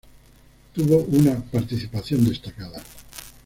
Tuvo una participación destacada.